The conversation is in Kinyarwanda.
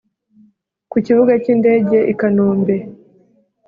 ku Kibuga cy’indege i Kanombe